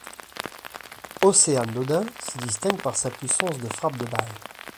Océane Dodin se distingue par sa puissance de frappe de balle.